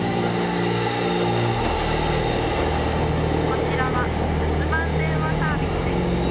「こちらは留守番電話サービスです」